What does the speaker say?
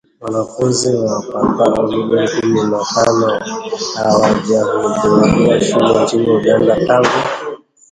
Wanafunzi wapatao milioni kumi na tano hawajahudhuria shule nchini Uganda tangu